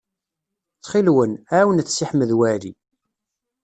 Ttxil-wen, ɛawnet Si Ḥmed Waɛli.